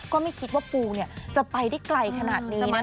ก็ไม่คิดว่าปูจะไปได้ไกลขนาดนี้นะคะ